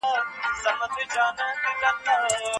تاسو بايد د هر ګټور کتاب لوستلو ته ارزښت ورکړئ.